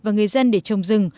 và người dân để trồng rừng